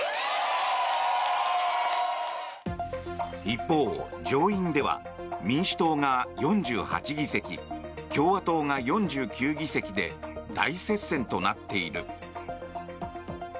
一方、上院では民主党が４８議席共和党が４９議席で大接戦となっている。